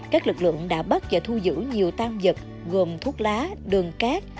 các lực lượng đã bắt và thu giữ nhiều tam vật gồm thuốc lá đường cát